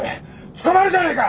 捕まるじゃねえか！